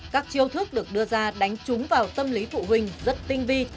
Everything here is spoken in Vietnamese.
các chiêu thức được đưa ra đánh trúng vào tâm lý phụ huynh rất tinh vi